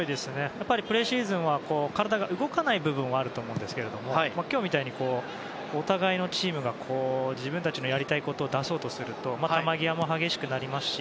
やっぱり、プレシーズンは体が動かない部分はあると思いますが今日みたいに、お互いのチームが自分たちのやりたいことを出そうとすると球際も激しくなりますし。